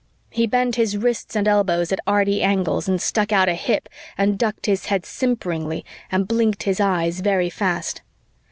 He bent his wrists and elbows at arty angles and stuck out a hip and ducked his head simperingly and blinked his eyes very fast.